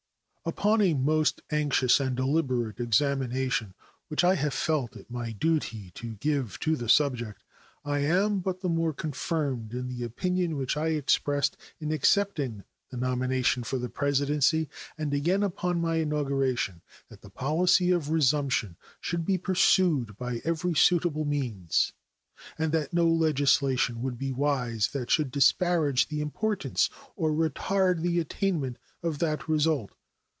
Upon a most anxious and deliberate examination, which I have felt it my duty to give to the subject, I am but the more confirmed in the opinion which I expressed in accepting the nomination for the Presidency, and again upon my inauguration, that the policy of resumption should be pursued by every suitable means, and that no legislation would be wise that should disparage the importance or retard the attainment of that result.